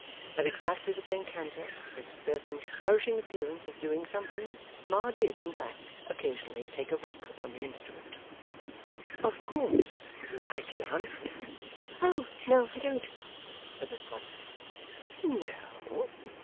(At exactly the same canter, and with a certain flourishing appearance of doing something, Ma did, in fact, occasionally take a rock upon the instrument.) 'Of course you like dancing?' 'Oh no, I don't,' said Miss Podsnap. 'No?